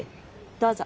どうぞ。